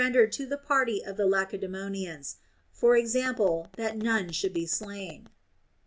dered to the party of the Lacedaemonians, i.e. that none should be slain.